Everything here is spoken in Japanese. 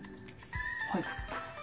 はい。